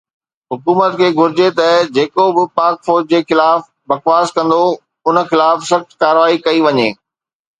حڪومت کي گهرجي ته جيڪو به پاڪ فوج خلاف بکواس ڪندو ان خلاف سخت ڪارروائي ڪئي وڃي